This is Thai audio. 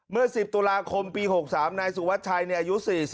เมื่อ๑๐ตุลาคมปี๖๓นายสุวัชชัยอายุ๔๐